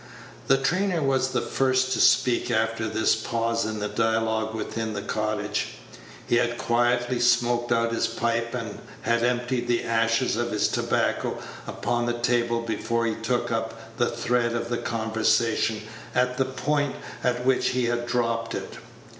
The trainer was the first to speak after this pause in the dialogue within the cottage. He had quietly smoked out his pipe, and had emptied the ashes of his tobacco upon the table before he took up the thread of the conversation at the point at which he had dropped it.